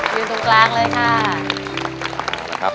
ยืนตรงกลางเลยค่ะ